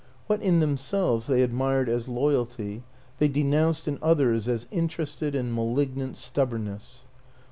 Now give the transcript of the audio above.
What in themselves they admired as loyalty, they denounced in others as interested and malignant stubbornness.